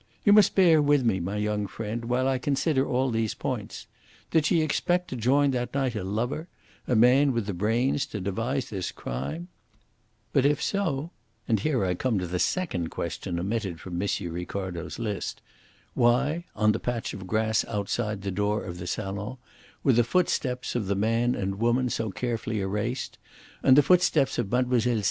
"You must bear with me, my young friend, while I consider all these points. Did she expect to join that night a lover a man with the brains to devise this crime? But if so and here I come to the second question omitted from M. Ricardo's list why, on the patch of grass outside the door of the salon, were the footsteps of the man and woman so carefully erased, and the footsteps of Mlle.